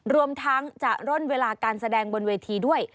รวมทั้งจะร่นเวลาการแสดงบนเวทีด้วย